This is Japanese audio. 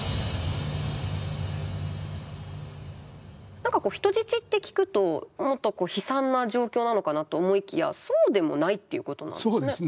何かこう人質って聞くともっと悲惨な状況なのかなと思いきやそうでもないっていうことなんですね。